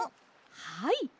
はい。